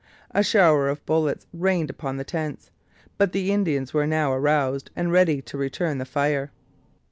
A shower of bullets rained upon the tents, but the Indians were now aroused and ready to return the fire.